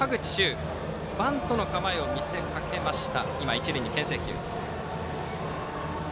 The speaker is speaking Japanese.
初球はバントの構えを見せかけました。